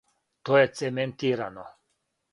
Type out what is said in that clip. То је цементирано.